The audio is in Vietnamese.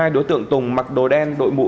đối tượng tùng mặc đồ đen đội mũ